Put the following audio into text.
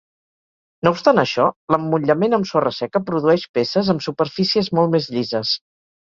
No obstant això, l'emmotllament amb sorra seca produeix peces amb superfícies molt més llises.